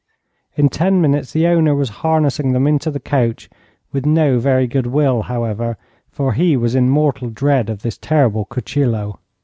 In ten minutes the owner was harnessing them into the coach, with no very good will, however, for he was in mortal dread of this terrible Cuchillo.